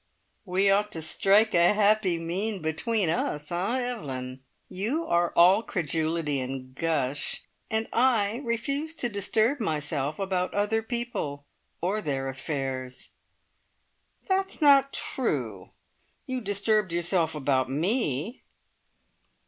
"We ought to strike a happy mean between us, eh, Evelyn? You are all credulity and gush, and I refuse to disturb myself about other people, or their affairs." "That's not true! You disturbed yourself about me!"